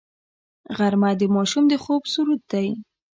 غرمه د ماشوم د خوب سرود دی